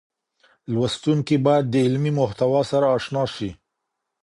لوستونکي بايد د علمي محتوا سره اشنا شي.